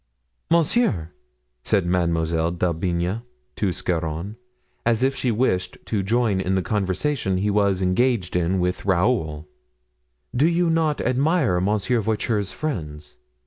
"Monsieur," said Mademoiselle d'Aubigne to Scarron, as if she wished to join in the conversation he was engaged in with Raoul, "do you not admire Monsieur Voiture's friends?